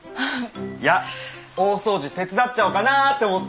いや大掃除手伝っちゃおうかなって思って。